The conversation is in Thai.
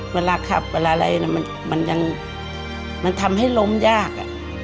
เวลาขับเวลาอะไรมันยังมันทำให้ล้มยาก